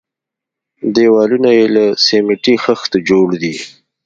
دېوالونه يې له سميټي خښتو جوړ دي.